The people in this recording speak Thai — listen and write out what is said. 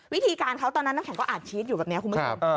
วิธีการเขาตอนนั้นน้ำแข็งก็อาจชีสอยู่แบบนี้คุณผู้ชม